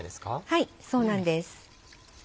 はいそうなんです。